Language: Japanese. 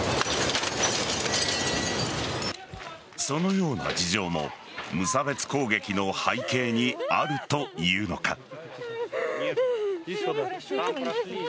そのような事情も無差別攻撃の背景にあるというのか。